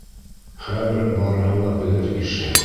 Хәҙер барыһы ла белер ише.